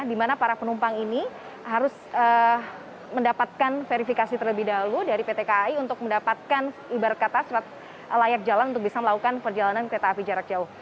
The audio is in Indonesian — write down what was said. di mana para penumpang ini harus mendapatkan verifikasi terlebih dahulu dari pt kai untuk mendapatkan ibarat kata layak jalan untuk bisa melakukan perjalanan kereta api jarak jauh